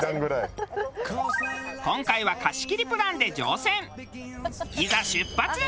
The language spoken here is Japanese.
今回は貸切プランで乗船。